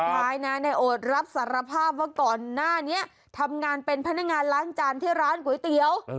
ท้ายนะนายโอดรับสารภาพว่าก่อนหน้านี้ทำงานเป็นพนักงานล้างจานที่ร้านก๋วยเตี๋ยว